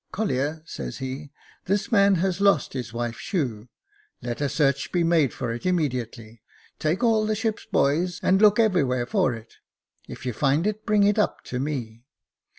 ' Collier,' says he, * this man has lost his wife's shoe, let a search be made for it immediately — take all the ship's boys, and look everywhere for it ; if you find it bring it up to me.'